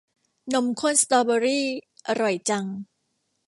นมข้นสตอเบอร์รี่ อร่อยจัง